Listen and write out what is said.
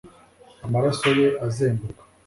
Amaraso ye azenguruka